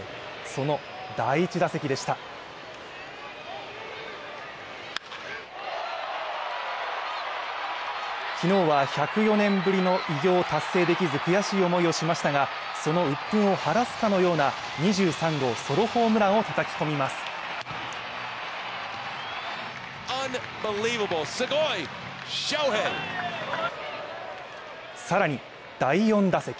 その第１打席でした昨日は１０４年ぶりの偉業を達成できず悔しい思いをしましたがそのうっぷんを晴らすかのような２３号ソロホームランを叩き込みますさらに第４打席